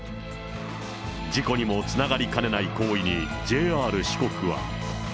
事故にもつながりかねない行為に、ＪＲ四国は。